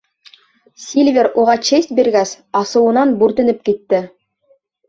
Сильвер уға честь биргәс, асыуынан бүртенеп китте.